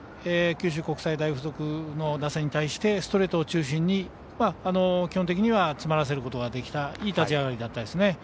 九州国際大付属の打線に対してストレートを中心に基本的には詰まらせることができたいい立ち上がりでしたね。